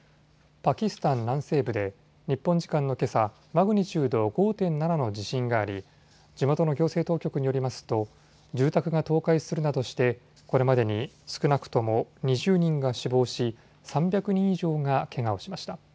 パキスタン南西部で日本時間のけさ、マグニチュード５．７の地震があり、地元の行政当局によりますと住宅が倒壊するなどしてこれまでに少なくとも２０人が死亡し３００人以上がけがをしました。